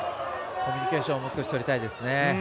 コミュニケーションをもう少し取りたいですね。